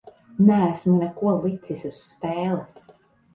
Neesmu neko licis uz spēles.